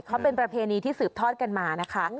เขาเป็นประเพณีที่สืบทอดกันมานะคะ